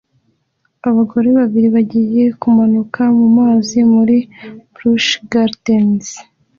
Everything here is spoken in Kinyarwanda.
Abagore babiri bagiye kumanuka mumazi muri Busch Gardens